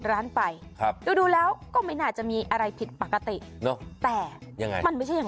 ร้านไปครับดูดูแล้วก็ไม่น่าจะมีอะไรผิดปกติเนอะแต่ยังไงมันไม่ใช่อย่าง